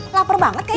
laper banget kayaknya